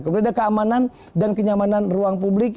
kemudian ada keamanan dan kenyamanan ruang publik